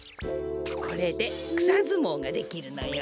これでくさずもうができるのよ。